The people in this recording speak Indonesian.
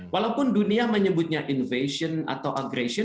walaupun dunia menyebutnya invasion atau agresi